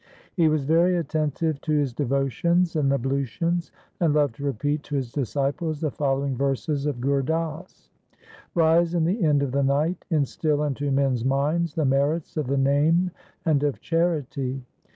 He was very attentive to his devotions and ablutions, and loved to repeat to his disciples the following verses of Gur Das :— Rise in the end of the night, instil into men's minds the merits of the Name and of charity.